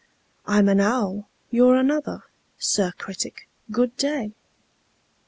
I'm an owl; you're another. Sir Critic, good day!"